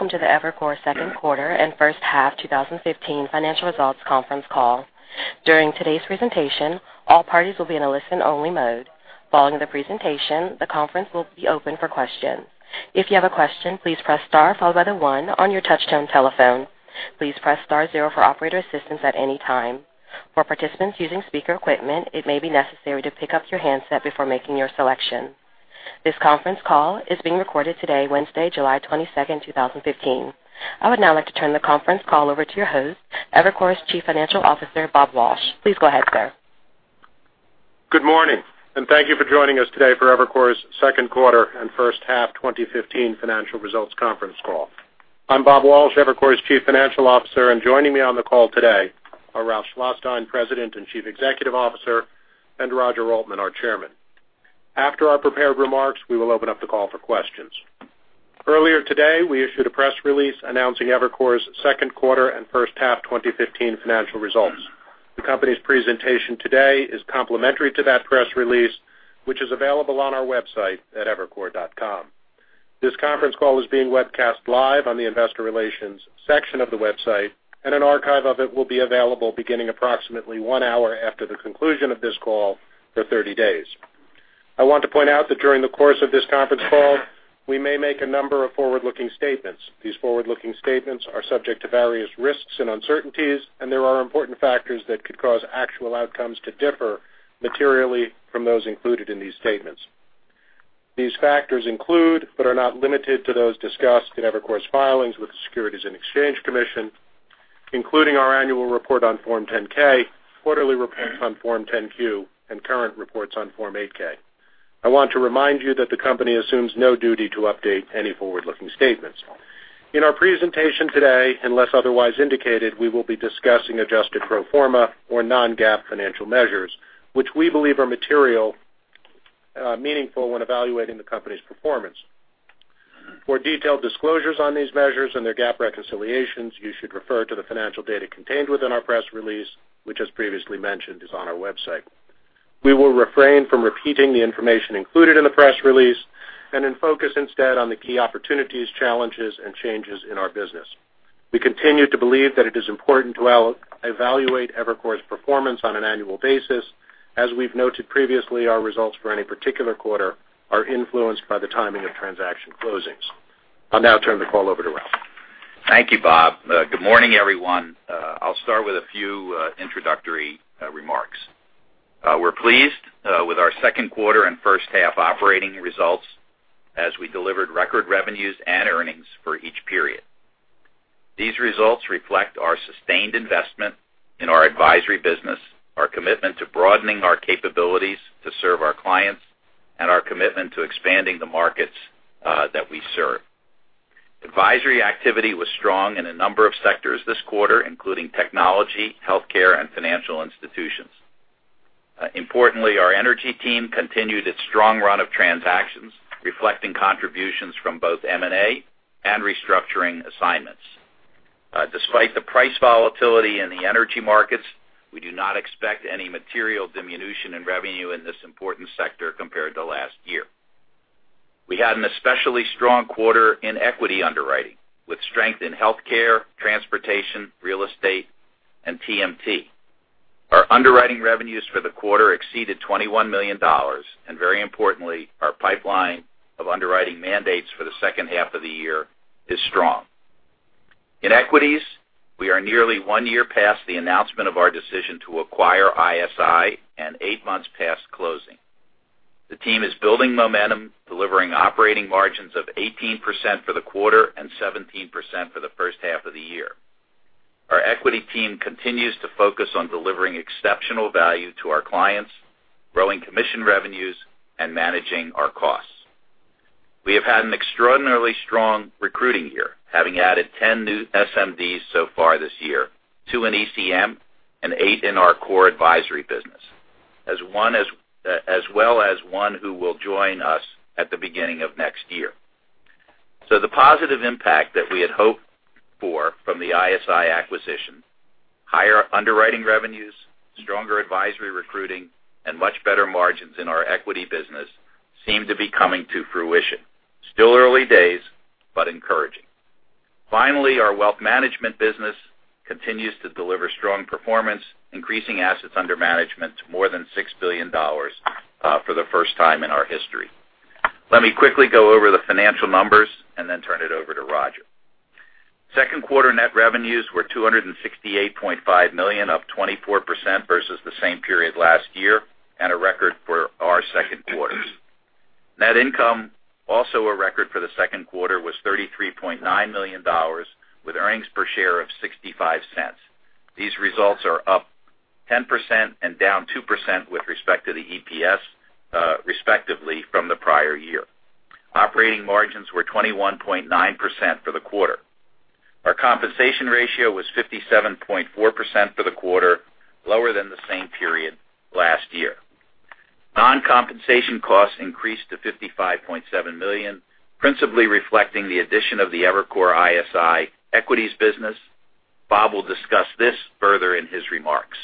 Welcome to the Evercore second quarter and first half 2015 financial results conference call. During today's presentation, all parties will be in a listen-only mode. Following the presentation, the conference will be open for questions. If you have a question, please press star followed by the 1 on your touch-tone telephone. Please press star 0 for operator assistance at any time. For participants using speaker equipment, it may be necessary to pick up your handset before making your selection. This conference call is being recorded today, Wednesday, July 22nd, 2015. I would now like to turn the conference call over to your host, Evercore's Chief Financial Officer, Bob Walsh. Please go ahead, sir. Good morning, thank you for joining us today for Evercore's second quarter and first-half 2015 financial results conference call. I'm Bob Walsh, Evercore's Chief Financial Officer, joining me on the call today are Ralph Schlosstein, President and Chief Executive Officer, and Roger Altman, our chairman. After our prepared remarks, we will open up the call for questions. Earlier today, we issued a press release announcing Evercore's second quarter and first-half 2015 financial results. The company's presentation today is complementary to that press release, which is available on our website at evercore.com. This conference call is being webcast live on the investor relations section of the website, an archive of it will be available beginning approximately 1 hour after the conclusion of this call for 30 days. I want to point out that during the course of this conference call, we may make a number of forward-looking statements. These forward-looking statements are subject to various risks and uncertainties, there are important factors that could cause actual outcomes to differ materially from those included in these statements. These factors include, but are not limited to those discussed in Evercore's filings with the Securities and Exchange Commission, including our annual report on Form 10-K, quarterly reports on Form 10-Q, and current reports on Form 8-K. I want to remind you that the company assumes no duty to update any forward-looking statements. In our presentation today, unless otherwise indicated, we will be discussing adjusted pro forma or non-GAAP financial measures, which we believe are material meaningful when evaluating the company's performance. For detailed disclosures on these measures and their GAAP reconciliations, you should refer to the financial data contained within our press release, which, as previously mentioned, is on our website. We will refrain from repeating the information included in the press release focus instead on the key opportunities, challenges, and changes in our business. We continue to believe that it is important to evaluate Evercore's performance on an annual basis. As we've noted previously, our results for any particular quarter are influenced by the timing of transaction closings. I'll now turn the call over to Ralph. Thank you, Bob. Good morning, everyone. I'll start with a few introductory remarks. We're pleased with our second quarter and first-half operating results as we delivered record revenues and earnings for each period. These results reflect our sustained investment in our advisory business, our commitment to broadening our capabilities to serve our clients, and our commitment to expanding the markets that we serve. Advisory activity was strong in a number of sectors this quarter, including technology, healthcare, and financial institutions. Importantly, our energy team continued its strong run of transactions, reflecting contributions from both M&A and restructuring assignments. Despite the price volatility in the energy markets, we do not expect any material diminution in revenue in this important sector compared to last year. We had an especially strong quarter in equity underwriting, with strength in healthcare, transportation, real estate, and TMT. Our underwriting revenues for the quarter exceeded $21 million. Very importantly, our pipeline of underwriting mandates for the second half of the year is strong. In equities, we are nearly one year past the announcement of our decision to acquire ISI and eight months past closing. The team is building momentum, delivering operating margins of 18% for the quarter and 17% for the first half of the year. Our equity team continues to focus on delivering exceptional value to our clients, growing commission revenues, and managing our costs. We have had an extraordinarily strong recruiting year, having added 10 new SMDs so far this year, two in ECM and eight in our core advisory business. As well as one who will join us at the beginning of next year. The positive impact that we had hoped for from the ISI acquisition, higher underwriting revenues, stronger advisory recruiting, and much better margins in our equity business seem to be coming to fruition. Still early days, but encouraging. Finally, our wealth management business continues to deliver strong performance, increasing assets under management to more than $6 billion for the first time in our history. Let me quickly go over the financial numbers and then turn it over to Roger. Second-quarter net revenues were $268.5 million, up 24% versus the same period last year and a record for our second quarters. Net income, also a record for the second quarter, was $33.9 million, with earnings per share of $0.65. These results are up 10% and down 2% with respect to the EPS, respectively, from the prior year. Operating margins were 21.9% for the quarter. Our compensation ratio was 57.4% for the quarter, lower than the same period last year. Non-compensation costs increased to $55.7 million, principally reflecting the addition of the Evercore ISI equities business. Bob will discuss this further in his remarks.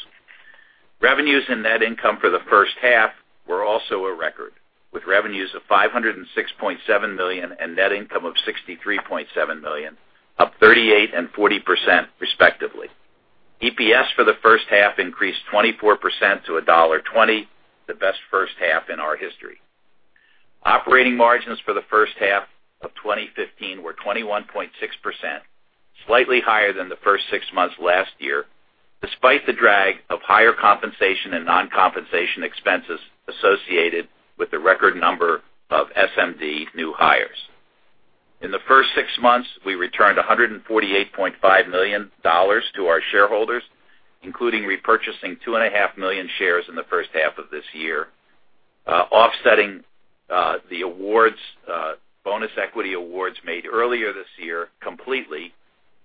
Revenues and net income for the first half were also a record, with revenues of $506.7 million and net income of $63.7 million, up 38% and 40% respectively. EPS for the first half increased 24% to $1.20, the best first half in our history. Operating margins for the first half of 2015 were 21.6%, slightly higher than the first six months last year, despite the drag of higher compensation and non-compensation expenses associated with the record number of SMD new hires. In the first six months, we returned $148.5 million to our shareholders, including repurchasing two and a half million shares in the first half of this year, offsetting the bonus equity awards made earlier this year completely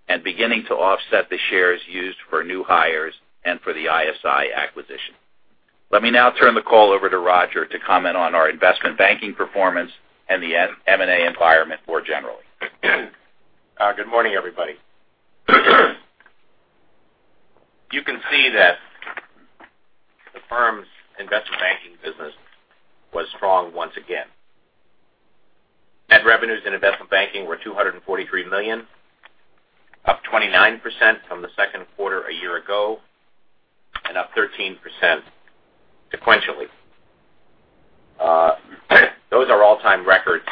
and beginning to offset the shares used for new hires and for the ISI acquisition. Let me now turn the call over to Roger to comment on our investment banking performance and the M&A environment more generally. Good morning, everybody. You can see that the firm's investment banking business was strong once again. Net revenues in investment banking were $243 million, up 29% from the second quarter a year ago, and up 13% sequentially. Those are all-time records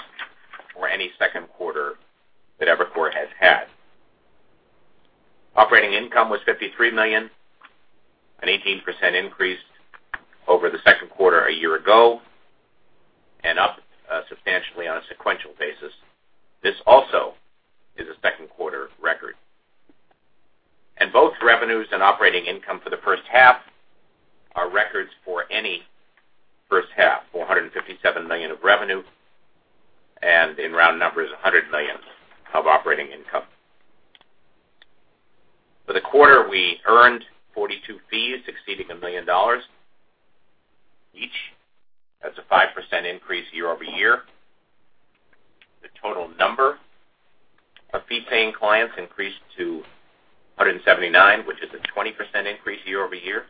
for any second quarter that Evercore has had. Operating income was $53 million, an 18% increase over the second quarter a year ago, and up substantially on a sequential basis. This also is a second quarter record. Both revenues and operating income for the first half are records for any first half, $457 million of revenue, and in round numbers, $100 million of operating income. For the quarter, we earned 42 fees exceeding $1 million each. That's a 5% increase year-over-year. The total number of fee-paying clients increased to 179, which is a 20% increase year-over-year.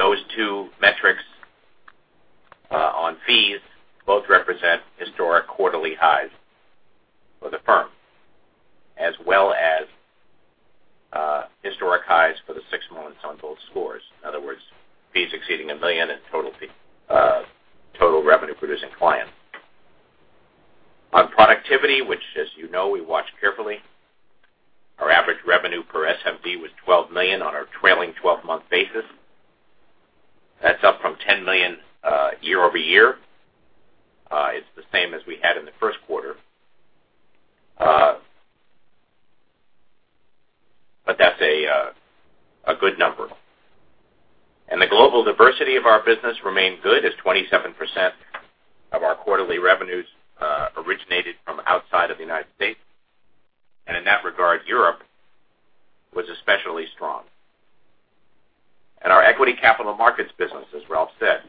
Those two metrics on fees both represent historic quarterly highs for the firm, as well as historic highs for the six months on both scores. In other words, fees exceeding $1 million in total revenue-producing clients. On productivity, which as you know, we watch carefully, our average revenue per SMD was $12 million on our trailing 12-month basis. That's up from $10 million year-over-year. It's the same as we had in the first quarter. That's a good number. The global diversity of our business remained good as 27% of our quarterly revenues originated from outside of the United States. In that regard, Europe was especially strong. Our equity capital markets business, as Ralph said,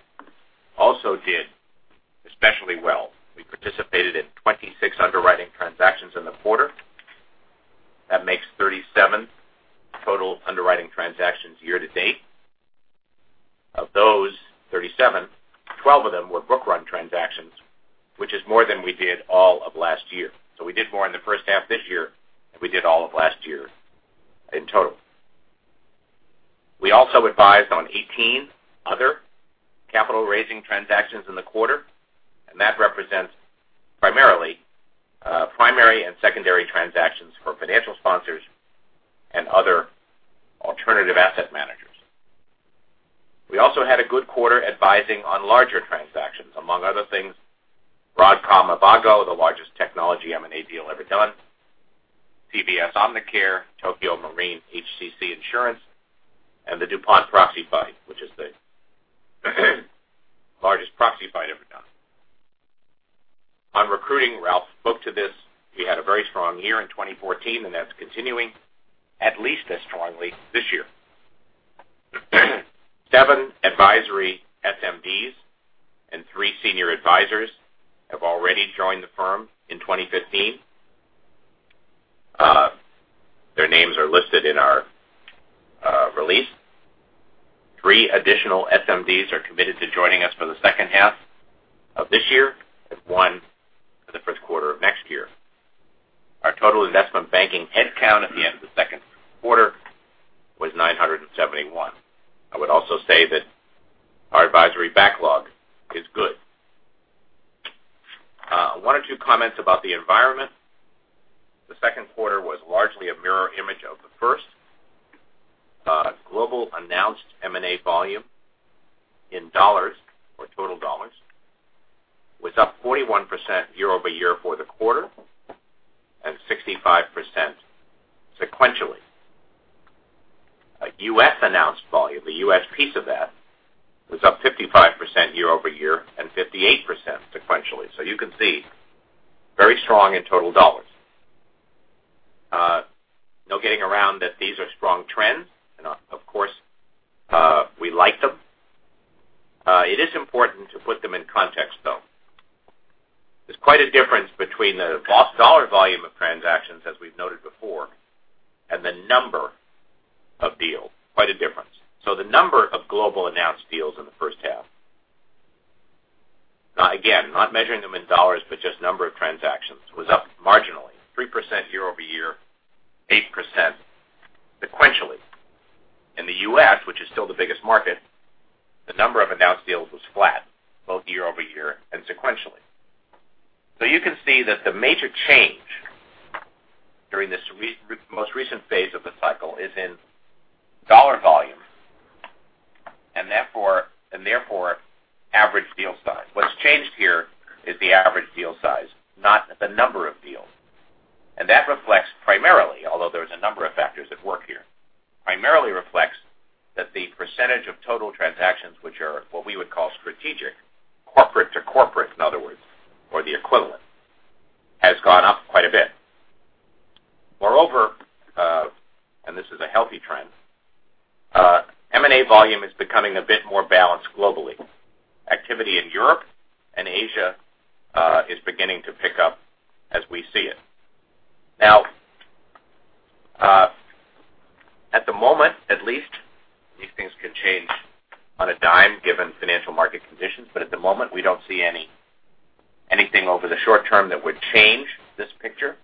also did especially well. We participated in 26 underwriting transactions in the quarter. That makes 37 total underwriting transactions year-to-date. Of those 37, 12 of them were book run transactions, which is more than we did all of last year. We did more in the first half this year than we did all of last year in total. We also advised on 18 other capital-raising transactions in the quarter, and that represents primarily primary and secondary transactions for financial sponsors and other alternative asset managers. We also had a good quarter advising on larger transactions. Among other things, Broadcom/Avago, the largest technology M&A deal ever done, CVS/Omnicare, Tokio Marine HCC Insurance, and the DuPont proxy fight, which is the largest proxy fight ever done. On recruiting, Ralph spoke to this. We had a very strong year in 2014, and that's continuing at least as strongly this year. Seven advisory SMDs and three senior advisors have already joined the firm in 2015. Their names are listed in our release. Three additional SMDs are committed to joining us for the second half of this year, and one for the first quarter of next year. Our total investment banking headcount at the end of the second quarter was 971. I would also say that our advisory backlog is good. One or two comments about the environment. The second quarter was largely a mirror image of the first. Global announced M&A volume in dollars, or total dollars, was up 41% year-over-year for the quarter and 65% sequentially. A U.S.-announced volume, the U.S. piece of that, was up 55% year-over-year and 58% sequentially. You can see, very strong in total dollars. No getting around that these are strong trends. Of course, we like them. It is important to put them in context. Quite a difference between the dollar volume of transactions, as we've noted before, and the number of deals. Quite a difference. The number of global announced deals in the first half, again, not measuring them in dollars, but just number of transactions, was up marginally, 3% year-over-year, 8% sequentially. In the U.S., which is still the biggest market, the number of announced deals was flat both year-over-year and sequentially. You can see that the major change during this most recent phase of the cycle is in dollar volume, and therefore average deal size. What's changed here is the average deal size, not the number of deals. That reflects primarily, although there's a number of factors at work here, primarily reflects that the percentage of total transactions, which are what we would call strategic, corporate to corporate, in other words, or the equivalent, has gone up quite a bit. Moreover, this is a healthy trend, M&A volume is becoming a bit more balanced globally. Activity in Europe and Asia is beginning to pick up as we see it. At the moment, at least, these things can change on a dime given financial market conditions, at the moment, we don't see anything over the short term that would change this picture.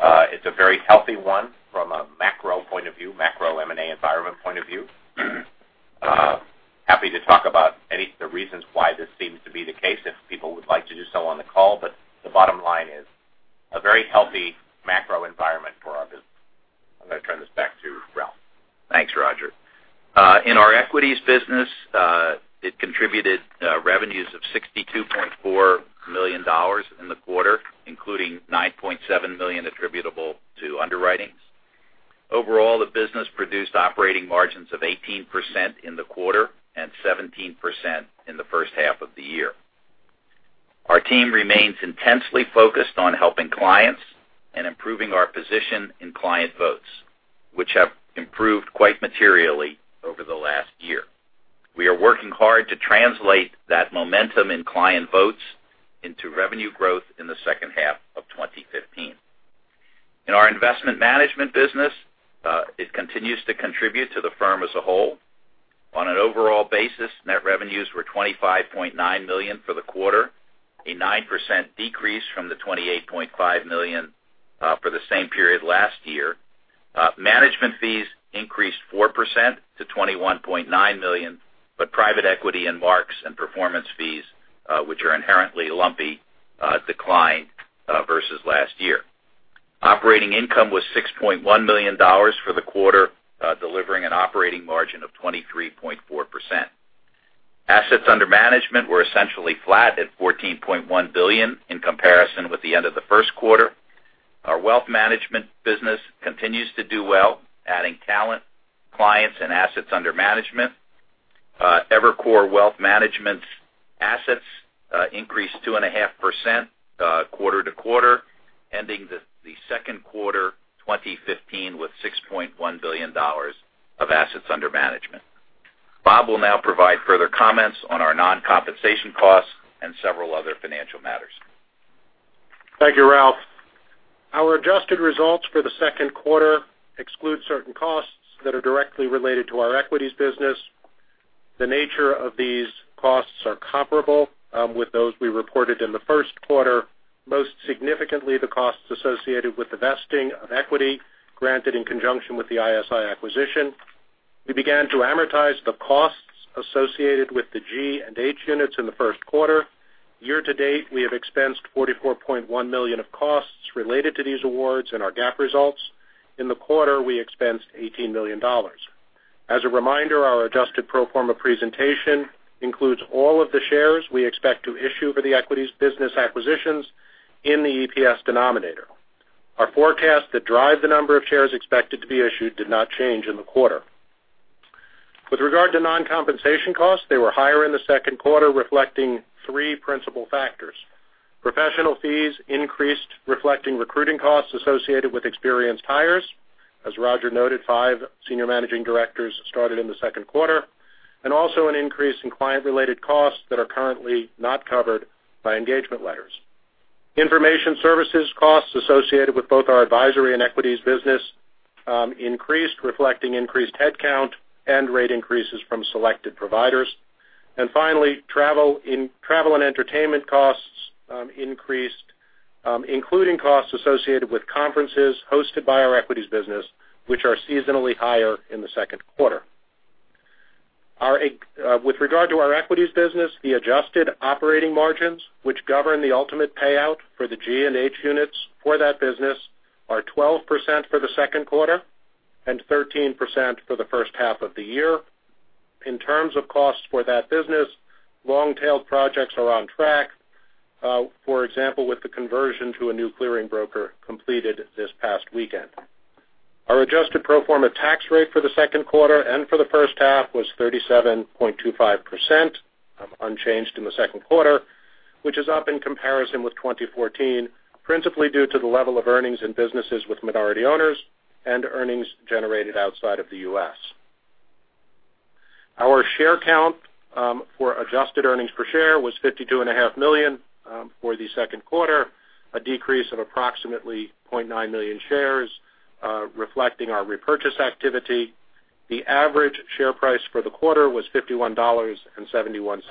It's a very healthy one from a macro point of view, macro M&A environment point of view. Happy to talk about any of the reasons why this seems to be the case if people would like to do so on the call. The bottom line is a very healthy macro environment for our business. I'm going to turn this back to Ralph. Thanks, Roger. In our equities business, it contributed revenues of $62.4 million in the quarter, including $9.7 million attributable to underwritings. Overall, the business produced operating margins of 18% in the quarter and 17% in the first half of the year. Our team remains intensely focused on helping clients and improving our position in client votes, which have improved quite materially over the last year. We are working hard to translate that momentum in client votes into revenue growth in the second half of 2015. In our investment management business, it continues to contribute to the firm as a whole. On an overall basis, net revenues were $25.9 million for the quarter, a 9% decrease from the $28.5 million for the same period last year. Management fees increased 4% to $21.9 million, private equity in marks and performance fees, which are inherently lumpy, declined versus last year. Operating income was $6.1 million for the quarter, delivering an operating margin of 23.4%. Assets under management were essentially flat at $14.1 billion in comparison with the end of the first quarter. Our wealth management business continues to do well, adding talent, clients, and assets under management. Evercore Wealth Management's assets increased 2.5% quarter to quarter, ending the second quarter 2015 with $6.1 billion of assets under management. Bob will now provide further comments on our non-compensation costs and several other financial matters. Thank you, Ralph. Our adjusted results for the second quarter exclude certain costs that are directly related to our equities business. The nature of these costs are comparable with those we reported in the first quarter, most significantly the costs associated with the vesting of equity granted in conjunction with the ISI acquisition. We began to amortize the costs associated with the G and H units in the first quarter. Year to date, we have expensed $44.1 million of costs related to these awards in our GAAP results. In the quarter, we expensed $18 million. As a reminder, our adjusted pro forma presentation includes all of the shares we expect to issue for the equities business acquisitions in the EPS denominator. Our forecasts that drive the number of shares expected to be issued did not change in the quarter. With regard to non-compensation costs, they were higher in the second quarter, reflecting three principal factors. Professional fees increased, reflecting recruiting costs associated with experienced hires. As Roger noted, five senior managing directors started in the second quarter, also an increase in client-related costs that are currently not covered by engagement letters. Information services costs associated with both our advisory and equities business increased, reflecting increased headcount and rate increases from selected providers. Finally, travel and entertainment costs increased, including costs associated with conferences hosted by our equities business, which are seasonally higher in the second quarter. With regard to our equities business, the adjusted operating margins, which govern the ultimate payout for the G and H units for that business, are 12% for the second quarter and 13% for the first half of the year. In terms of costs for that business, long-tailed projects are on track. For example, with the conversion to a new clearing broker completed this past weekend. Our adjusted pro forma tax rate for the second quarter and for the first half was 37.25%, unchanged in the second quarter, which is up in comparison with 2014, principally due to the level of earnings in businesses with minority owners and earnings generated outside of the U.S. Our share count for adjusted earnings per share was 52.5 million for the second quarter, a decrease of approximately 0.9 million shares, reflecting our repurchase activity. The average share price for the quarter was $51.71,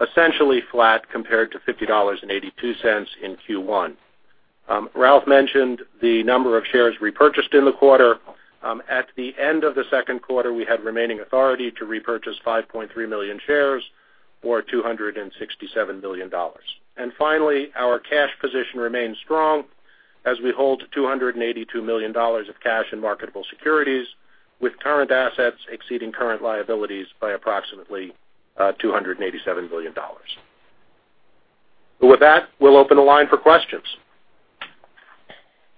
essentially flat compared to $50.82 in Q1. Ralph mentioned the number of shares repurchased in the quarter. At the end of the second quarter, we had remaining authority to repurchase 5.3 million shares, or $267 million. Finally, our cash position remains strong as we hold $282 million of cash in marketable securities, with current assets exceeding current liabilities by approximately $287 billion. With that, we'll open the line for questions.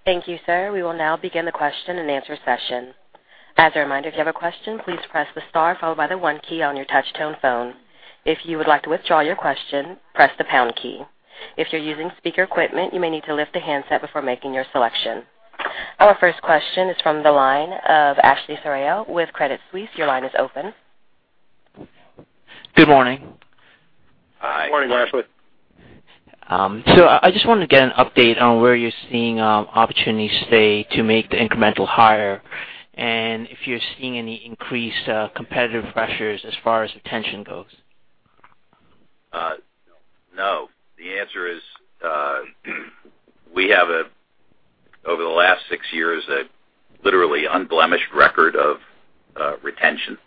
Thank you, sir. We will now begin the question and answer session. As a reminder, if you have a question, please press the star followed by the one key on your touch tone phone. If you would like to withdraw your question, press the pound key. If you're using speaker equipment, you may need to lift the handset before making your selection. Our first question is from the line of Ashley Serrao with Credit Suisse. Your line is open. Good morning. Hi. Good morning, Ashley. I just wanted to get an update on where you're seeing opportunities today to make the incremental hire and if you're seeing any increased competitive pressures as far as retention goes. No. The answer is, we have, over the last six years, a literally unblemished record of retention.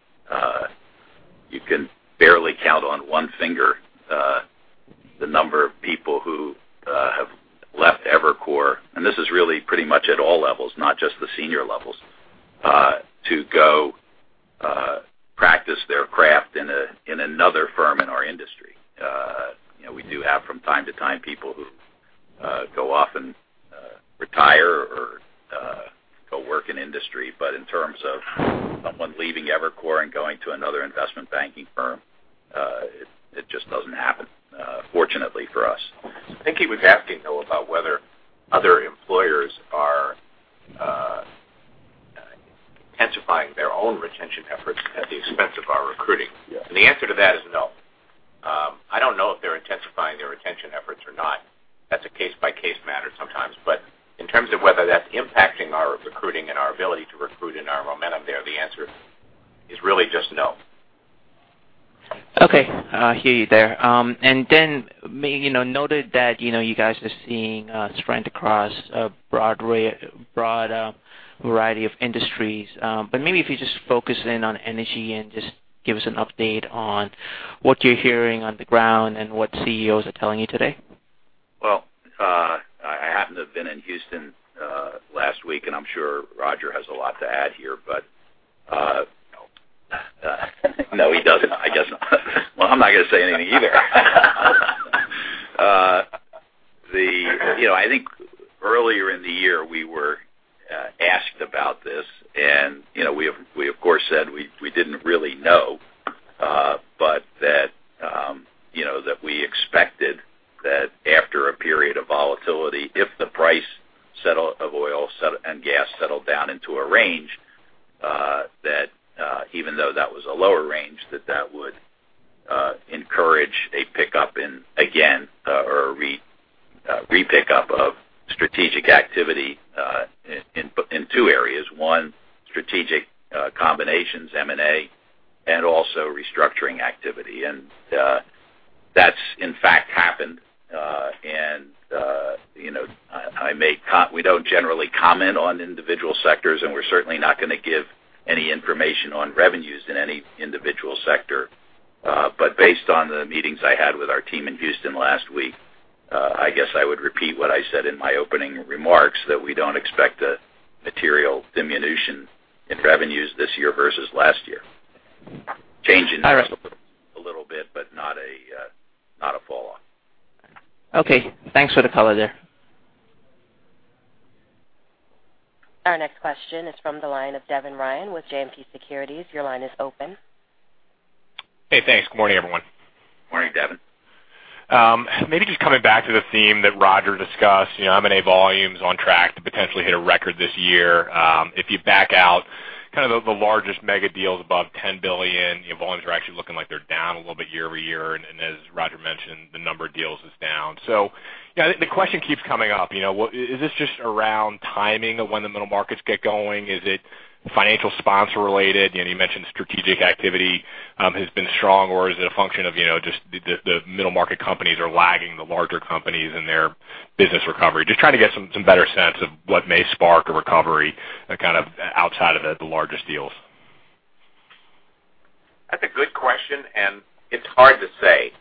You can barely count on one finger the number of people who have left Evercore, and this is really pretty much at all levels, not just the senior levels, to go practice their craft in another firm in our industry. We do have, from time to time, people who go off and retire or go work in industry. In terms of someone leaving Evercore and going to another investment banking firm, it just doesn't happen, fortunately for us. I think he was asking though, about whether other employers are intensifying their own retention efforts at the expense of our recruiting. Yes. The answer to that is no. I don't know if they're intensifying their retention efforts or not. That's a case-by-case matter sometimes. In terms of whether that's impacting our recruiting and our ability to recruit and our momentum there, the answer is really just no. Okay. I hear you there. Maybe, noted that you guys are seeing strength across a broad variety of industries. Maybe if you just focus in on energy and just give us an update on what you're hearing on the ground and what CEOs are telling you today. Well, I happen to have been in Houston last week. I'm sure Roger has a lot to add here. No. No, he doesn't. I guess not. Well, I'm not going to say anything either. I think earlier in the year, we were asked about this. We, of course, said we didn't really know. That we expected that after a period of volatility, if the price of oil and gas settled down into a range, that even though that was a lower range, that would encourage a pickup in, again or a re-pickup of strategic activity in two areas. One, strategic combinations, M&A, and also restructuring activity. That's in fact happened. We don't generally comment on individual sectors, and we're certainly not going to give any information on revenues in any individual sector. Based on the meetings I had with our team in Houston last week, I guess I would repeat what I said in my opening remarks, that we don't expect a material diminution in revenues this year versus last year. Change in revenue a little bit, but not a fall off. Okay. Thanks for the color there. Our next question is from the line of Devin Ryan with JMP Securities. Your line is open. Hey, thanks. Good morning, everyone. Morning, Devin. Maybe just coming back to the theme that Roger discussed. M&A volume's on track to potentially hit a record this year. If you back out the largest mega deals above $10 billion, volumes are actually looking like they're down a little bit year-over-year. As Roger mentioned, the number of deals is down. I think the question keeps coming up. Is this just around timing of when the middle markets get going? Is it financial sponsor related? You mentioned strategic activity has been strong, or is it a function of just the middle market companies are lagging the larger companies in their business recovery? Just trying to get some better sense of what may spark a recovery, kind of outside of the largest deals. That's a good question, it's hard to say.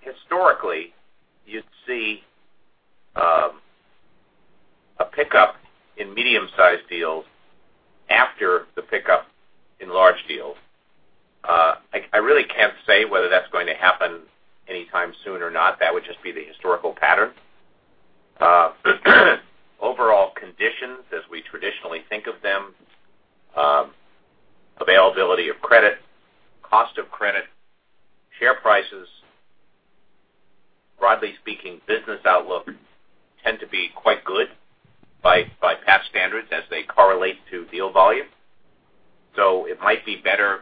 Historically, you'd see a pickup in medium-sized deals after the pickup in large deals. I really can't say whether that's going to happen anytime soon or not. That would just be the historical pattern. Overall conditions, as we traditionally think of them, availability of credit, cost of credit, share prices Broadly speaking, business outlook tend to be quite good by past standards as they correlate to deal volume. It might be better,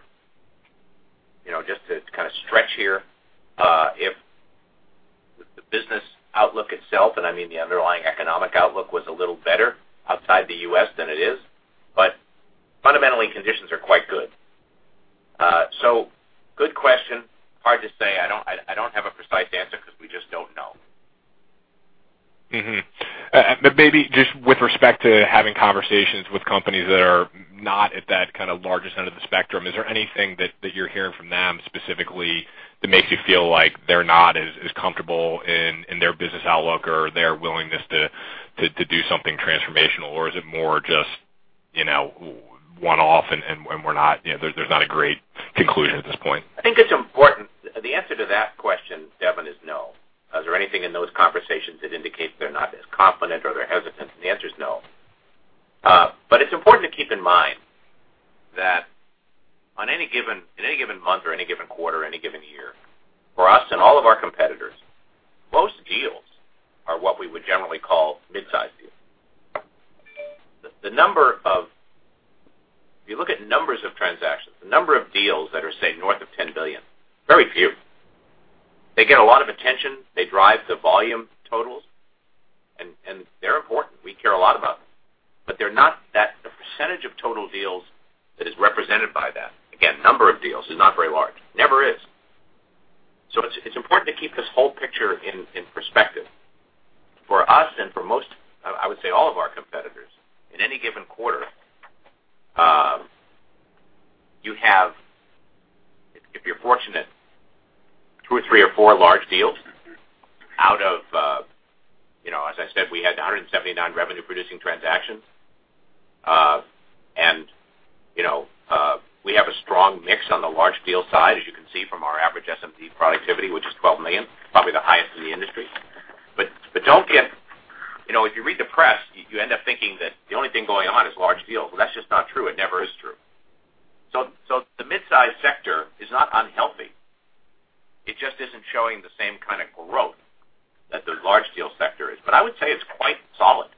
just to kind of stretch here, if the business outlook itself, I mean the underlying economic outlook, was a little better outside the U.S. than it is. Fundamentally, conditions are quite good. Good question. Hard to say. I don't have a precise answer because we just don't know. Mm-hmm. Maybe just with respect to having conversations with companies that are not at that kind of larger end of the spectrum, is there anything that you're hearing from them specifically that makes you feel like they're not as comfortable in their business outlook or their willingness to do something transformational? Or is it more just, one-off and there's not a great conclusion at this point? I think it's important. The answer to that question, Devin, is no. Is there anything in those conversations that indicates they're not as confident or they're hesitant? The answer is no. It's important to keep in mind that in any given month or any given quarter, any given year, for us and all of our competitors, most deals are what we would generally call mid-size deals. If you look at numbers of transactions, the number of deals that are, say, north of $10 billion, very few. They get a lot of attention. They drive the volume totals, they're important. We care a lot about them. The percentage of total deals that is represented by that, again, number of deals, is not very large. Never is. It's important to keep this whole picture in perspective. For us and for most, I would say all of our competitors, in any given quarter, you have, if you're fortunate, two or three or four large deals out of as I said, we had 179 revenue-producing transactions. We have a strong mix on the large deal side, as you can see from our average SMD productivity, which is $12 million, probably the highest in the industry. If you read the press, you end up thinking that the only thing going on is large deals. Well, that's just not true. It never is true. The mid-size sector is not unhealthy. It just isn't showing the same kind of growth that the large deal sector is. I would say it's quite solid.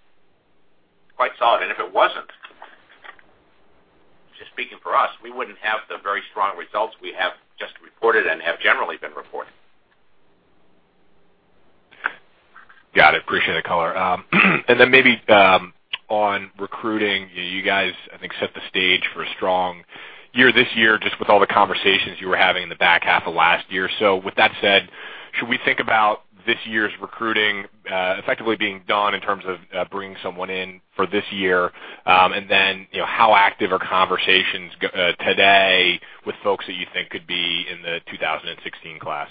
Quite solid, if it wasn't, just speaking for us, we wouldn't have the very strong results we have just reported and have generally been reporting. Got it. Appreciate the color. Then maybe on recruiting. You guys, I think, set the stage for a strong year this year, just with all the conversations you were having in the back half of last year. With that said, should we think about this year's recruiting effectively being done in terms of bringing someone in for this year? Then, how active are conversations today with folks that you think could be in the 2016 class?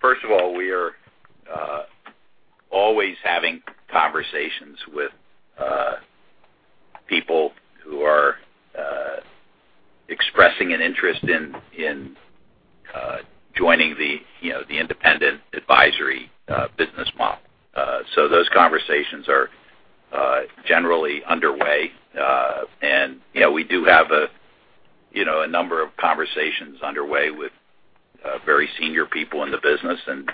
First of all, we are always having conversations with people who are expressing an interest in joining the independent advisory business model. Those conversations are generally underway. We do have a number of conversations underway with very senior people in the business, and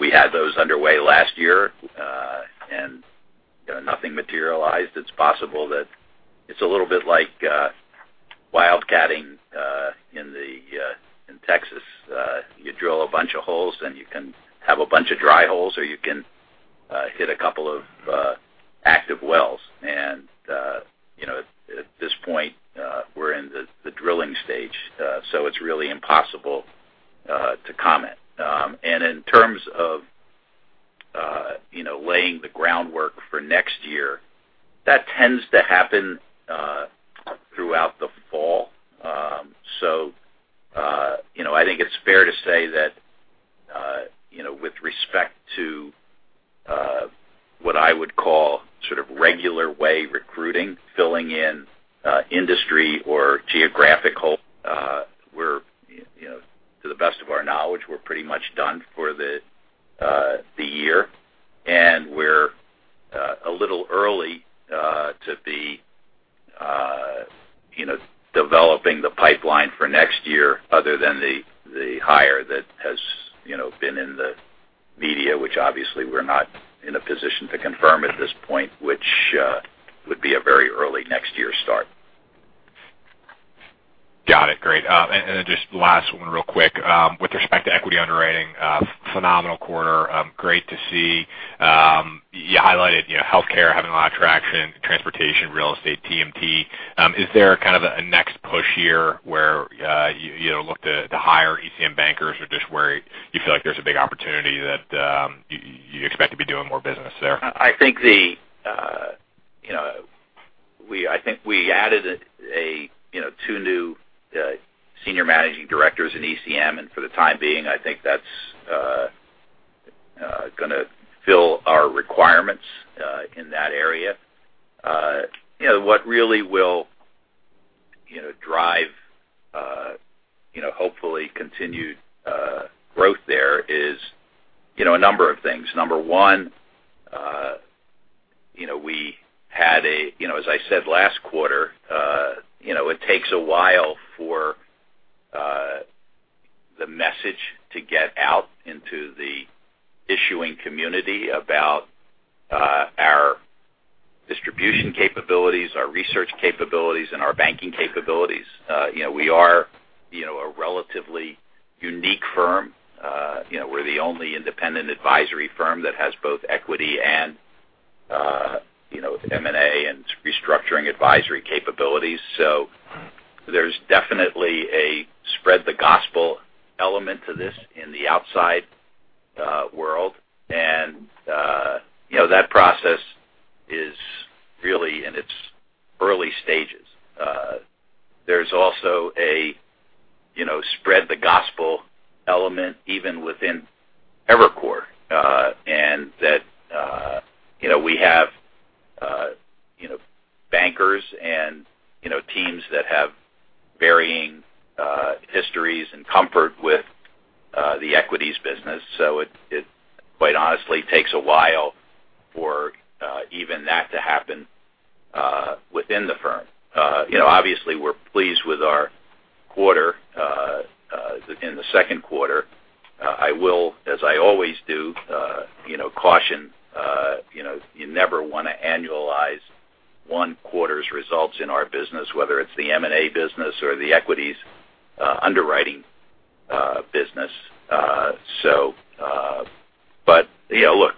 we had those underway last year, and nothing materialized. It's possible that it's a little bit like wildcatting in Texas. You drill a bunch of holes, and you can have a bunch of dry holes, or you can hit a couple of active wells. At this point, we're in the drilling stage, so it's really impossible to comment. In terms of laying the groundwork for next year, that tends to happen throughout the fall. I think it's fair to say that with respect to what I would call sort of regular way recruiting, filling in industry or geographical, to the best of our knowledge, we're pretty much done for the year. We're a little early to be developing the pipeline for next year other than the hire that has been in the media, which obviously we're not in a position to confirm at this point, which would be a very early next year start. Got it. Great. Then just last one real quick. With respect to equity underwriting, phenomenal quarter. Great to see. You highlighted healthcare having a lot of traction, transportation, real estate, TMT. Is there kind of a next push here where you look to hire ECM bankers or just where you feel like there's a big opportunity that you expect to be doing more business there? I think we added two new senior managing directors in ECM, for the time being, I think that's going to fill our requirements in that area. What really will drive hopefully continued growth there is a number of things. Number one- As I said last quarter, it takes a while for the message to get out into the issuing community about our distribution capabilities, our research capabilities, and our banking capabilities. We are a relatively unique firm. We're the only independent advisory firm that has both equity and M&A, and restructuring advisory capabilities. There's definitely a spread the gospel element to this in the outside world, and that process is really in its early stages. There's also a spread the gospel element, even within Evercore, and that we have bankers and teams that have varying histories and comfort with the equities business. It quite honestly takes a while for even that to happen within the firm. Obviously, we're pleased with our quarter in the second quarter. I will, as I always do, caution you never want to annualize one quarter's results in our business, whether it's the M&A business or the equities underwriting business. Look,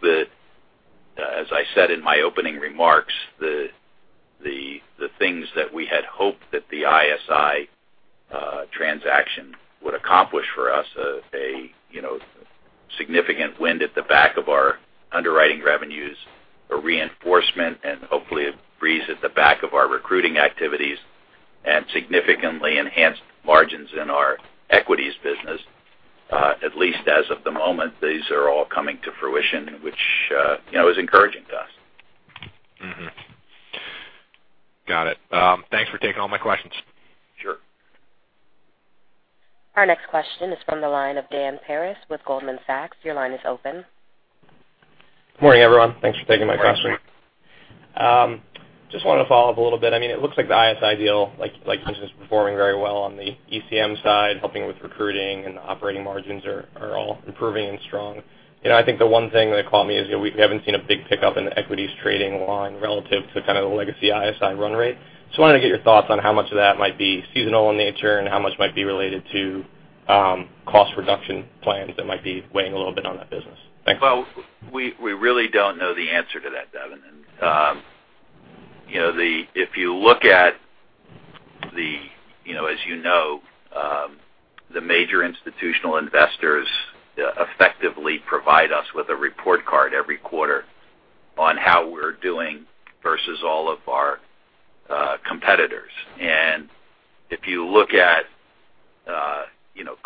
as I said in my opening remarks, the things that we had hoped that the ISI transaction would accomplish for us, a significant wind at the back of our underwriting revenues, a reinforcement, and hopefully a breeze at the back of our recruiting activities, and significantly enhanced margins in our equities business. At least as of the moment, these are all coming to fruition, which is encouraging to us. Got it. Thanks for taking all my questions. Sure. Our next question is from the line of Dan Paris with Goldman Sachs. Your line is open. Morning, everyone. Thanks for taking my question. Just wanted to follow up a little bit. It looks like the ISI deal, like you mentioned, is performing very well on the ECM side, helping with recruiting and operating margins are all improving and strong. I think the one thing that caught me is we haven't seen a big pickup in the equities trading line relative to kind of the legacy ISI run rate. I wanted to get your thoughts on how much of that might be seasonal in nature, and how much might be related to cost reduction plans that might be weighing a little bit on that business. Thanks. We really don't know the answer to that, Dan. If you look at, as you know, the major institutional investors effectively provide us with a report card every quarter on how we're doing versus all of our competitors. If you look at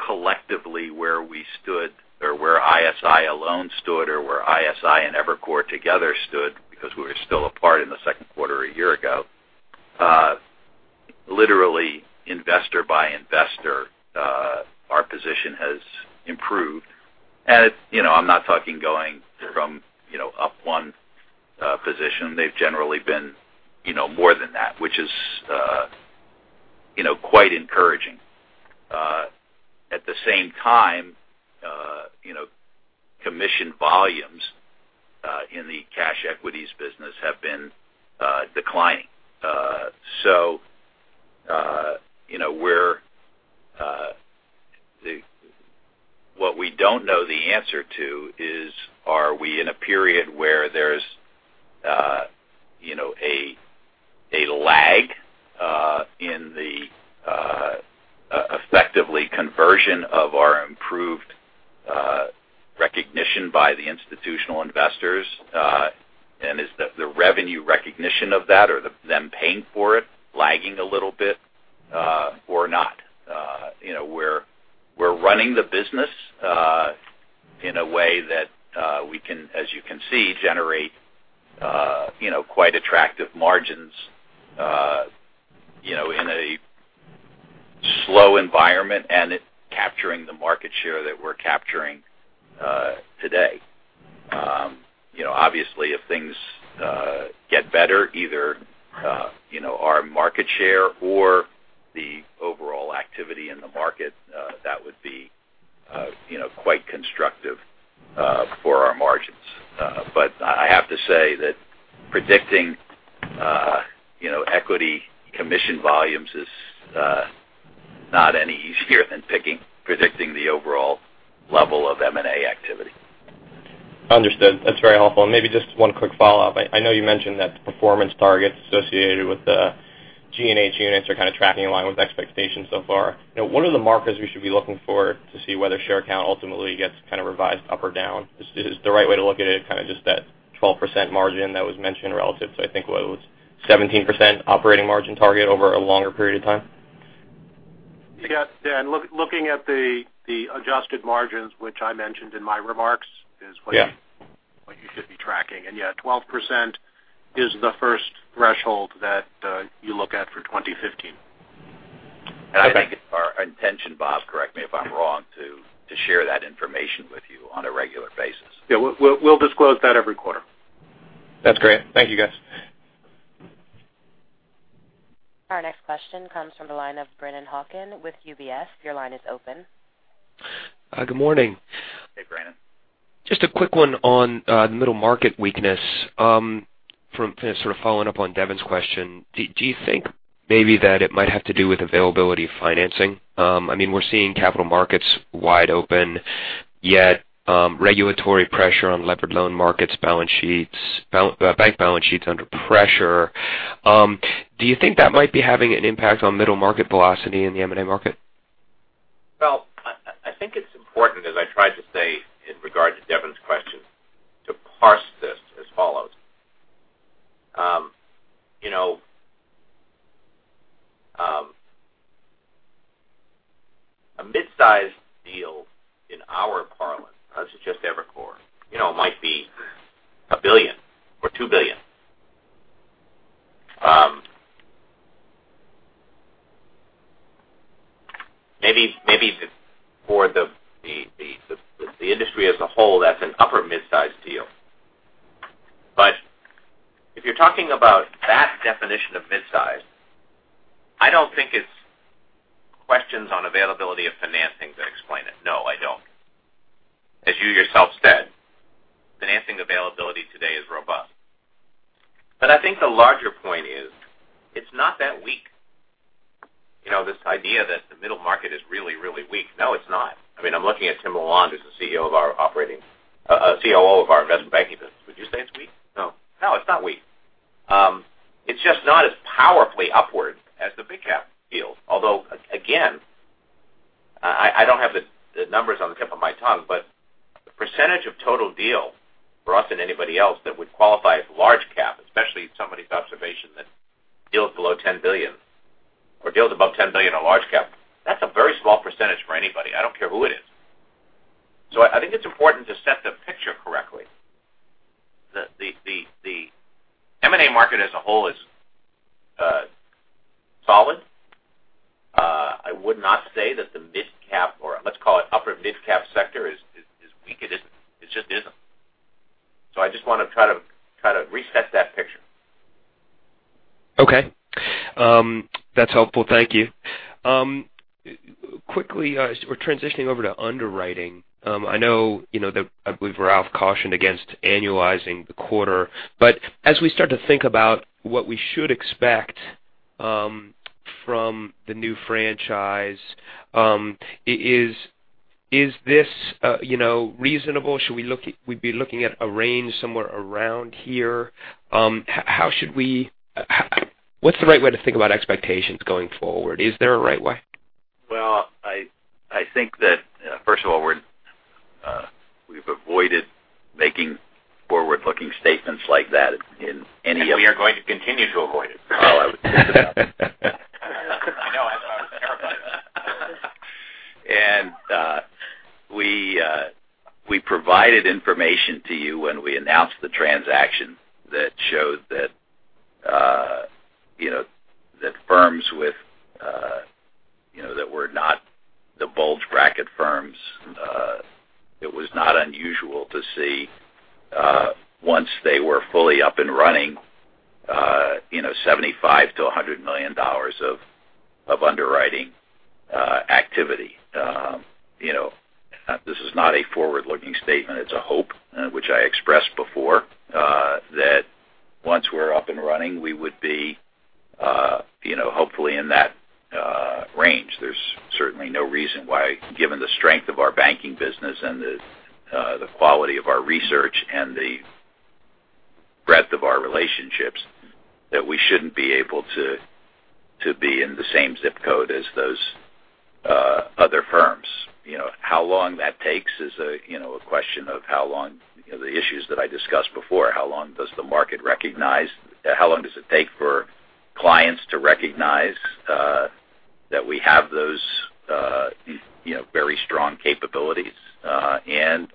collectively where we stood or where ISI alone stood, or where ISI and Evercore together stood, because we were still apart in the second quarter a year ago. Literally investor by investor, our position has improved. I'm not talking going from up one position. They've generally been more than that, which is quite encouraging. At the same time, commission volumes in the cash equities business have been declining. What we don't know the answer to is, are we in a period where there's a lag in the effectively conversion of our improved recognition by the institutional investors, and is the revenue recognition of that or them paying for it lagging a little bit, or not? We're running the business in a way that we can, as you can see, generate quite attractive margins, in a slow environment and capturing the market share that we're capturing today. Obviously, if things get better, either our market share or the overall activity in the market, that would be quite constructive for our margins. I have to say that predicting equity commission volumes is not any easier than predicting the overall level of M&A activity. Understood. That's very helpful. Maybe just one quick follow-up. I know you mentioned that the performance targets associated with the G&H units are kind of tracking along with expectations so far. What are the markers we should be looking for to see whether share count ultimately gets kind of revised up or down? Is the right way to look at it kind of just that 12% margin that was mentioned relative to, I think, what it was 17% operating margin target over a longer period of time? Yeah. Dan, looking at the adjusted margins, which I mentioned in my remarks, is. Yeah You should be tracking. Yeah, 12% is the first threshold that you look at for 2015. I think our intention, Bob. Share that information with you on a regular basis. Yeah. We'll disclose that every quarter. That's great. Thank you, guys. Our next question comes from the line of Brennan Hawken with UBS. Your line is open. Good morning. Hey, Brennan. Just a quick one on the middle market weakness. From sort of following up on Devin's question, do you think maybe that it might have to do with availability of financing? I mean, we're seeing capital markets wide open, yet regulatory pressure on leveraged loan markets, bank balance sheets under pressure. Do you think that might be having an impact on middle market velocity in the M&A market? I think it's important, as I tried to say in regard to Devin's question, to parse this as follows. A mid-sized deal in our parlance, as it's just Evercore, might be a billion or 2 billion. Maybe for the industry as a whole, that's an upper mid-size deal. If you're talking about that definition of mid-size, I don't think it's questions on availability of financing that explain it. No, I don't. As you yourself said, financing availability today is robust. I think the larger point is, it's not that weak. This idea that the middle market is really, really weak. No, it's not. I'm looking at Tim LaLonde, who's the COO of our investment banking business. Would you say it's weak? No. No, it's not weak. It's just not as powerfully upward as the big cap feels. Although, again, I don't have the numbers on the tip of my tongue, but the percentage of total deal for us and anybody else that would qualify as large cap, especially somebody's observation that deals below 10 billion or deals above 10 billion are large cap. That's a very small percentage for anybody. I don't care who it is. I think it's important to set the picture correctly. The M&A market as a whole is solid. I would not say that the mid cap or let's call it upper mid cap sector is weak. It just isn't. I just want to try to reset that picture. Okay. That's helpful. Thank you. Quickly, we're transitioning over to underwriting. I know, I believe Ralph cautioned against annualizing the quarter. As we start to think about what we should expect from the new franchise, is this reasonable? Should we be looking at a range somewhere around here? What's the right way to think about expectations going forward? Is there a right way? Well, I think that, first of all, we've avoided making forward-looking statements like that in any of. We are going to continue to avoid it. I was thinking about that. I know. I was terrified. We provided information to you when we announced the transaction that showed that firms that were not the bulge bracket firms, it was not unusual to see, once they were fully up and running, $75 million-$100 million of underwriting activity. This is not a forward-looking statement. It's a hope, which I expressed before, that once we're up and running, we would be hopefully in that range. There's certainly no reason why, given the strength of our banking business and the quality of our research and the breadth of our relationships, that we shouldn't be able to be in the same zip code as those other firms. How long that takes is a question of how long the issues that I discussed before, how long does the market recognize? How long does it take for clients to recognize that we have those very strong capabilities?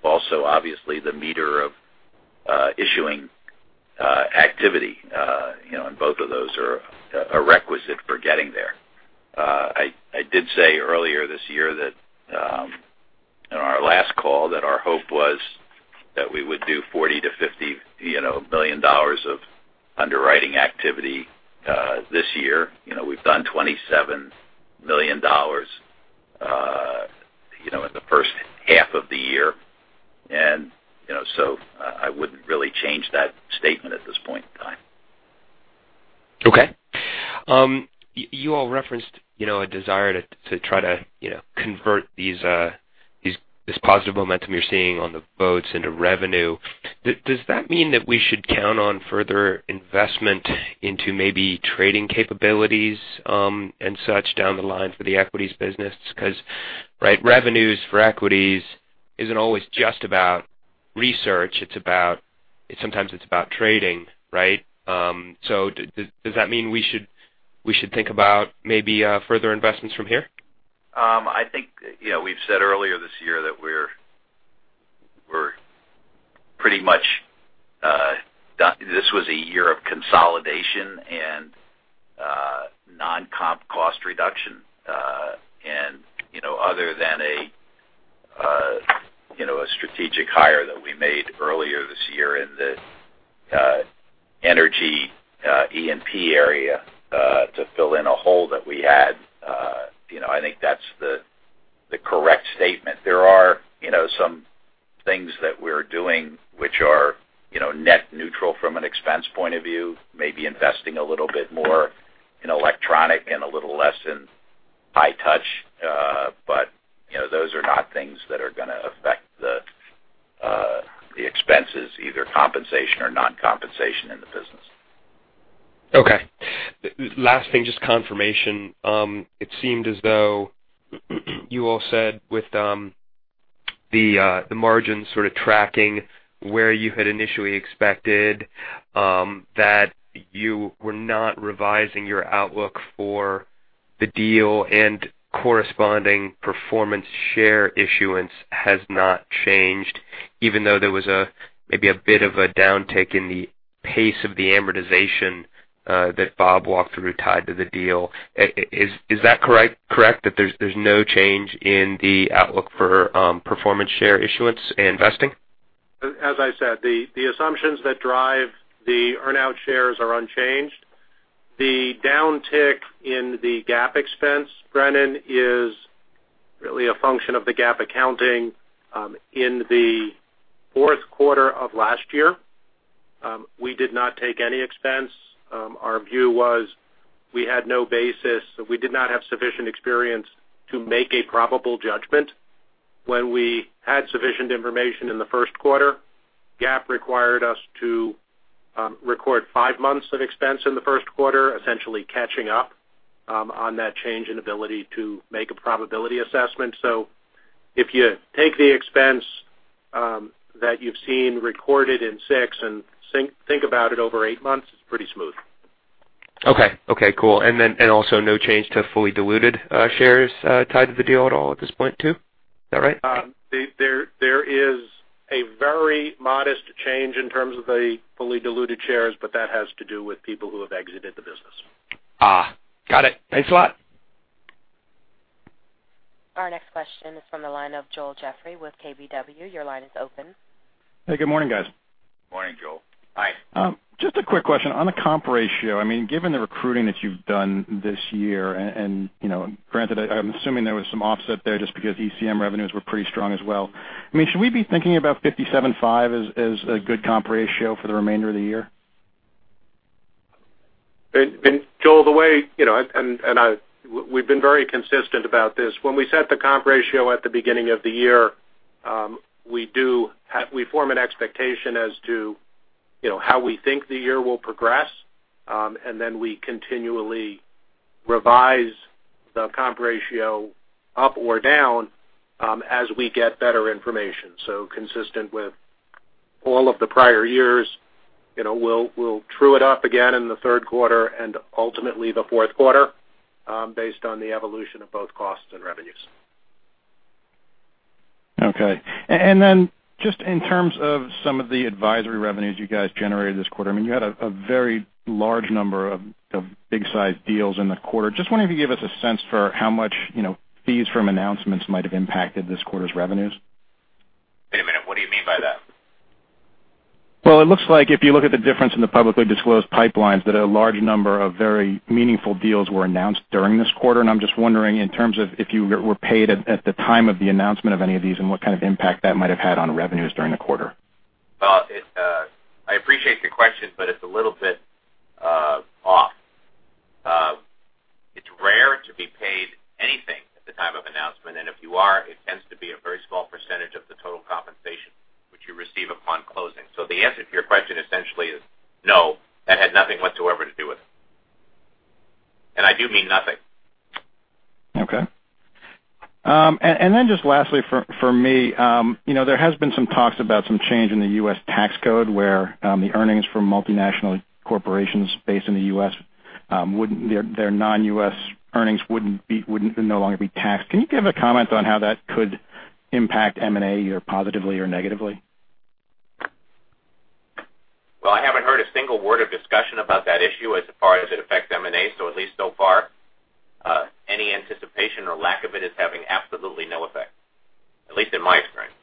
Also, obviously, the meter of issuing activity, and both of those are a requisite for getting there. I did say earlier this year that on our last call, that our hope was that we would do $40 billion-$50 billion of underwriting activity this year. We've done $27 million in the first half of the year. I wouldn't really change that statement at this point in time. Okay. You all referenced a desire to try to convert this positive momentum you're seeing on the votes into revenue. Does that mean that we should count on further investment into maybe trading capabilities, and such down the line for the equities business? Because revenues for equities isn't always just about research. Sometimes it's about trading, right? Does that mean we should think about maybe further investments from here? I think we've said earlier this year that Pretty much, this was a year of consolidation and non-comp cost reduction. Other than a strategic hire that we made earlier this year in the energy E&P area to fill in a hole that we had, I think that's the correct statement. There are some things that we're doing which are net neutral from an expense point of view, maybe investing a little bit more in electronic and a little less in high touch. Those are not things that are going to affect the expenses, either compensation or non-compensation in the business. Okay. Last thing, just confirmation. It seemed as though you all said with the margin sort of tracking where you had initially expected, that you were not revising your outlook for the deal and corresponding performance share issuance has not changed, even though there was maybe a bit of a downtick in the pace of the amortization that Bob walked through tied to the deal. Is that correct? That there's no change in the outlook for performance share issuance and investing? As I said, the assumptions that drive the earn-out shares are unchanged. The downtick in the GAAP expense, Brennan, is really a function of the GAAP accounting in the fourth quarter of last year. We did not take any expense. Our view was we had no basis. We did not have sufficient experience to make a probable judgment. When we had sufficient information in the first quarter, GAAP required us to record five months of expense in the first quarter, essentially catching up on that change in ability to make a probability assessment. If you take the expense that you've seen recorded in six and think about it over eight months, it's pretty smooth. Okay. Cool. Also no change to fully diluted shares tied to the deal at all at this point too? Is that right? There is a very modest change in terms of the fully diluted shares, that has to do with people who have exited the business. Got it. Thanks a lot. Our next question is from the line of Joel Jeffrey with KBW. Your line is open. Hey, good morning, guys. Morning, Joel. Hi. Just a quick question. On the comp ratio, given the recruiting that you've done this year, granted, I'm assuming there was some offset there just because ECM revenues were pretty strong as well. Should we be thinking about 57.5 as a good comp ratio for the remainder of the year? Joel, we've been very consistent about this. When we set the comp ratio at the beginning of the year, we form an expectation as to how we think the year will progress, then we continually revise the comp ratio up or down as we get better information. Consistent with all of the prior years, we'll true it up again in the third quarter and ultimately the fourth quarter based on the evolution of both costs and revenues. Okay. Just in terms of some of the advisory revenues you guys generated this quarter, you had a very large number of big-sized deals in the quarter. Just wondering if you give us a sense for how much fees from announcements might have impacted this quarter's revenues. Wait a minute. What do you mean by that? Well, it looks like if you look at the difference in the publicly disclosed pipelines, that a large number of very meaningful deals were announced during this quarter. I'm just wondering in terms of if you were paid at the time of the announcement of any of these, and what kind of impact that might have had on revenues during the quarter. Well, I appreciate the question. It's a little bit off. It's rare to be paid anything at the time of announcement. If you are, it tends to be a very small percentage of the total compensation which you receive upon closing. The answer to your question essentially is no. That had nothing whatsoever to do with it. I do mean nothing. Okay. Just lastly for me, there has been some talks about some change in the U.S. tax code where the earnings from multinational corporations based in the U.S., their non-U.S. earnings would no longer be taxed. Can you give a comment on how that could impact M&A either positively or negatively? Well, I haven't heard a single word of discussion about that issue as far as it affects M&A. At least so far, any anticipation or lack of it is having absolutely no effect, at least in my experience.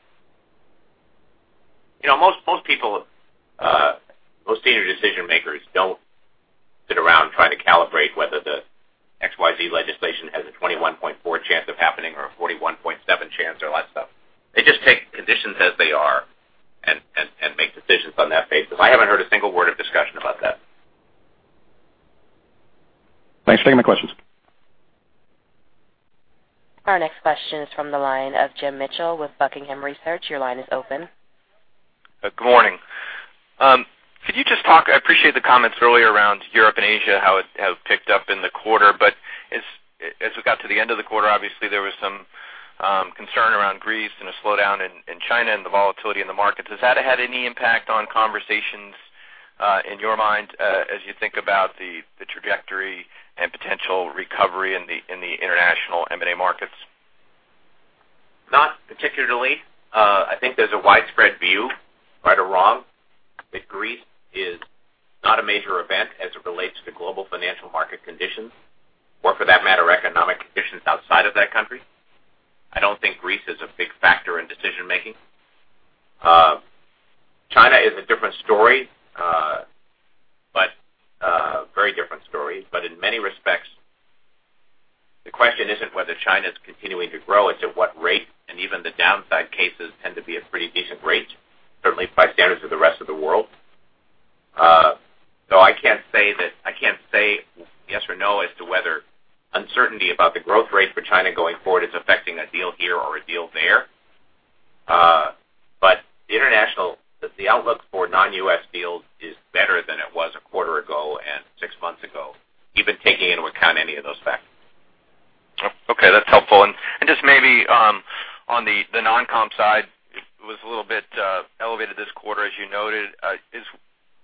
Most senior decision-makers don't sit around trying to calibrate whether the XYZ legislation has a 21.4 chance of happening or a 41.7 chance or that stuff. They just take conditions as they are and make decisions on that basis. I haven't heard a single word of discussion about that. Thanks for taking my questions. Our next question is from the line of Jim Mitchell with Buckingham Research. Your line is open. Good morning. I appreciate the comments earlier around Europe and Asia, how it has picked up in the quarter. As we got to the end of the quarter, obviously there was some concern around Greece and a slowdown in China and the volatility in the markets. Has that had any impact on conversations in your mind as you think about the trajectory and potential recovery in the international M&A markets? Not particularly. I think there's a widespread view, right or wrong, that Greece is not a major event as it relates to global financial market conditions or, for that matter, economic conditions outside of that country. I don't think Greece is a big factor in decision-making. China is a different story. Very different story, in many respects, the question isn't whether China's continuing to grow, it's at what rate, and even the downside cases tend to be a pretty decent rate, certainly by standards of the rest of the world. I can't say yes or no as to whether uncertainty about the growth rate for China going forward is affecting a deal here or a deal there. The international, the outlook for non-U.S. deals is better than it was a quarter ago and six months ago, even taking into account any of those factors. Okay, that's helpful. Just maybe on the non-comp side, it was a little bit elevated this quarter, as you noted,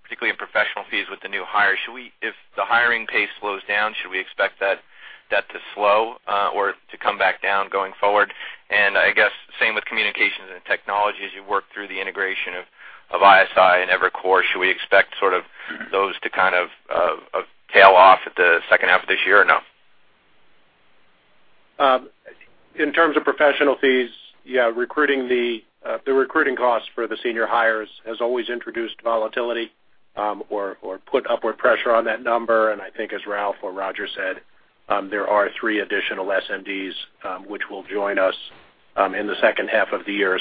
particularly in professional fees with the new hires. If the hiring pace slows down, should we expect that to slow or to come back down going forward? I guess same with communications and technology. As you work through the integration of ISI and Evercore, should we expect sort of those to kind of tail off at the second half of this year or no? In terms of professional fees. The recruiting cost for the senior hires has always introduced volatility or put upward pressure on that number, I think as Ralph or Roger said, there are three additional SMDs which will join us in the second half of the year.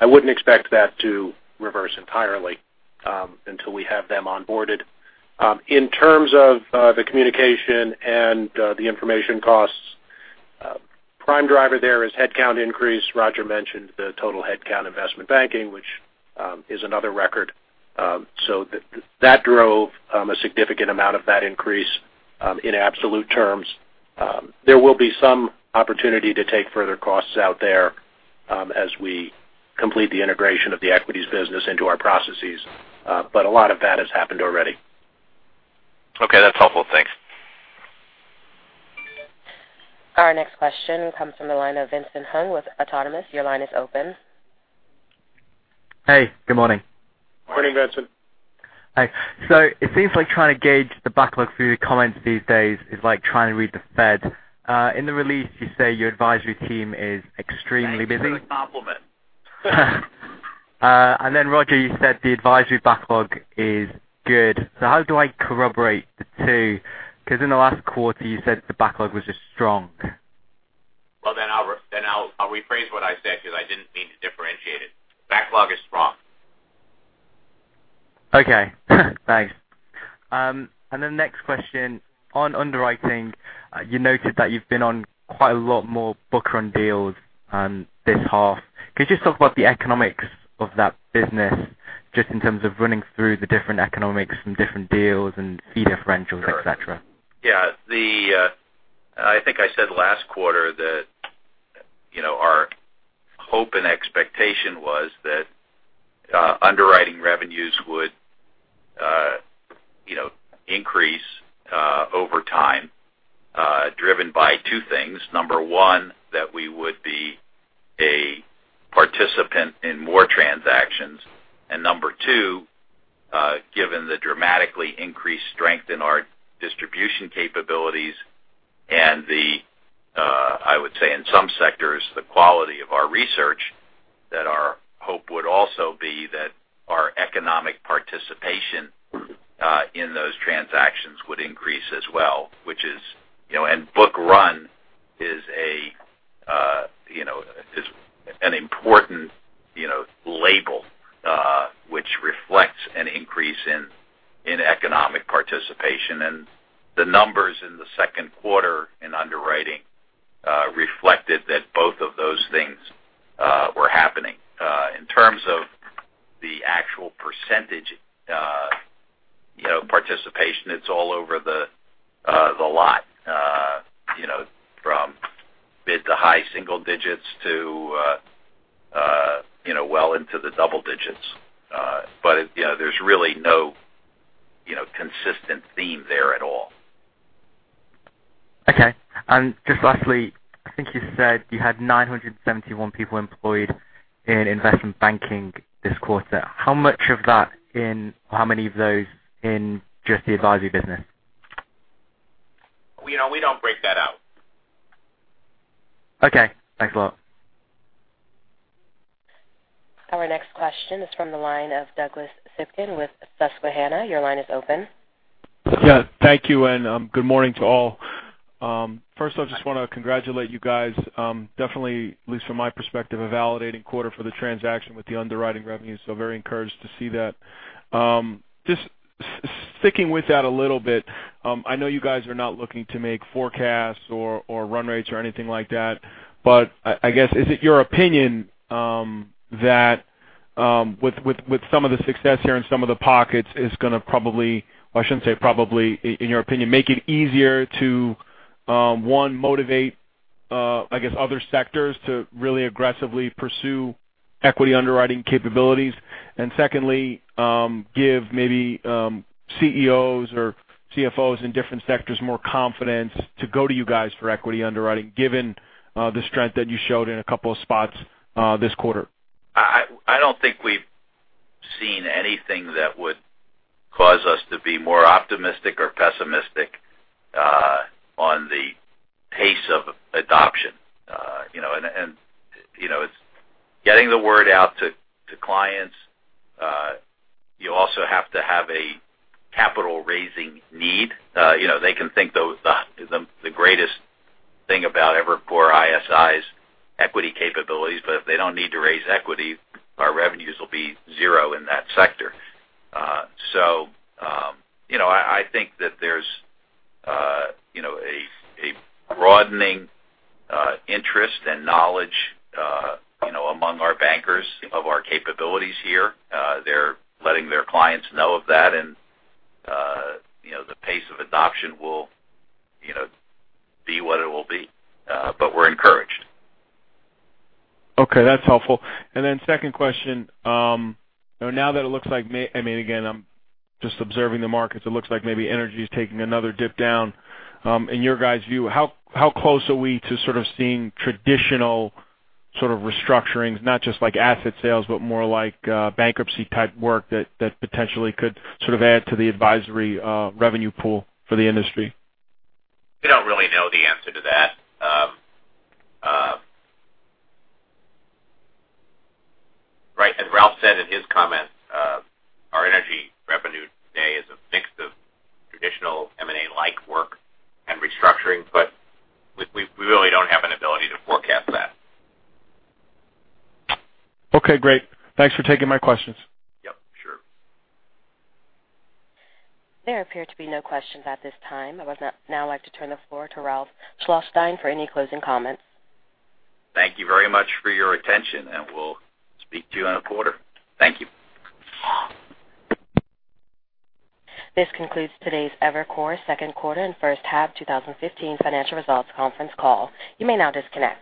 I wouldn't expect that to reverse entirely until we have them onboarded. In terms of the communication and the information costs, prime driver there is headcount increase. Roger mentioned the total headcount investment banking, which is another record. That drove a significant amount of that increase in absolute terms. There will be some opportunity to take further costs out there as we complete the integration of the equities business into our processes. A lot of that has happened already. Okay, that's helpful. Thanks. Our next question comes from the line of Vincent Hung with Autonomous. Your line is open. Hey, good morning. Morning, Vincent. Hi. It seems like trying to gauge the backlog through your comments these days is like trying to read the Fed. In the release, you say your advisory team is extremely busy. Thanks for the compliment. Roger, you said the advisory backlog is good. How do I corroborate the two? In the last quarter, you said the backlog was just strong. Well, I'll rephrase what I said because I didn't mean to differentiate it. Backlog is strong. Okay. Thanks. Next question on underwriting. You noted that you've been on quite a lot more book run deals this half. Could you just talk about the economics of that business just in terms of running through the different economics from different deals and fee differentials, et cetera? Yeah. I think I said last quarter that our hope and expectation was that underwriting revenues would increase over time, driven by two things. Number one, that we would be a participant in more transactions. Number two, given the dramatically increased strength in our distribution capabilities and the, I would say in some sectors, the quality of our research, that our hope would also be that our economic participation in those transactions would increase as well. Book run is an important label which reflects an increase in economic participation. The numbers in the second quarter in underwriting reflected that both of those things were happening. In terms of the actual percentage participation, it's all over the lot, from mid to high single digits to well into the double digits. There's really no consistent theme there at all. Okay. Just lastly, I think you said you had 971 people employed in investment banking this quarter. How much of that in, or how many of those in just the advisory business? We don't break that out. Okay. Thanks a lot. Our next question is from the line of Douglas Sipkin with Susquehanna. Your line is open. Yeah, thank you, and good morning to all. First I just want to congratulate you guys. Definitely, at least from my perspective, a validating quarter for the transaction with the underwriting revenue, so very encouraged to see that. Just sticking with that a little bit. I know you guys are not looking to make forecasts or run rates or anything like that, but I guess, is it your opinion that with some of the success here in some of the pockets, it's going to probably, or I shouldn't say probably, in your opinion, make it easier to, one, motivate other sectors to really aggressively pursue Equity underwriting capabilities, and secondly, give maybe CEOs or CFOs in different sectors more confidence to go to you guys for equity underwriting, given the strength that you showed in a couple of spots this quarter. I don't think we've seen anything that would cause us to be more optimistic or pessimistic on the pace of adoption. It's getting the word out to clients. You also have to have a capital raising need. They can think the greatest thing about Evercore ISI's equity capabilities, but if they don't need to raise equity, our revenues will be zero in that sector. I think that there's a broadening interest and knowledge among our bankers of our capabilities here. They're letting their clients know of that, and the pace of adoption will be what it will be. We're encouraged. Okay, that's helpful. Second question. Now that it looks like, again, I'm just observing the markets, it looks like maybe energy is taking another dip down. In your guys' view, how close are we to sort of seeing traditional sort of restructurings, not just like asset sales, but more like bankruptcy type work that potentially could sort of add to the advisory revenue pool for the industry? We don't really know the answer to that. As Ralph said in his comments, our energy revenue today is a mix of traditional M&A-like work and restructuring, we really don't have an ability to forecast that. Okay, great. Thanks for taking my questions. Yep, sure. There appear to be no questions at this time. I would now like to turn the floor to Ralph Schlosstein for any closing comments. Thank you very much for your attention, and we'll speak to you in a quarter. Thank you. This concludes today's Evercore second quarter and first half 2015 financial results conference call. You may now disconnect.